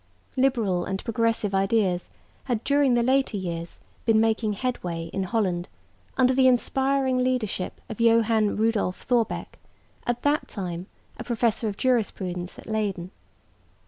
Liberal and progressive ideas had during the later years been making headway in Holland under the inspiring leadership of Johan Rudolf Thorbecke, at that time a professor of jurisprudence at Leyden.